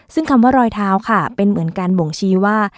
ซึ่งคำว่ารอยเท้าค่ะเป็นเหมือนการบ่งชี้ว่า